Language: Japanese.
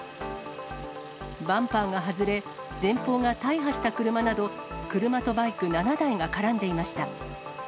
バンパーが外れ、前方が大破した車など、車とバイク７台が絡んでいました。